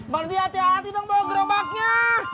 berhenti hati hati dong bawa gerobaknya